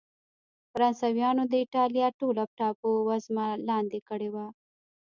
فرانسویانو د اېټالیا ټوله ټاپو وزمه لاندې کړې وه.